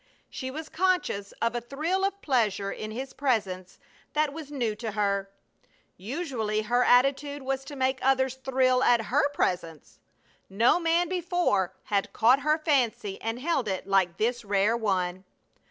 She was conscious of a thrill of pleasure in his presence that was new to her. Usually her attitude was to make others thrill at her presence! No man before had caught her fancy and held it like this rare one.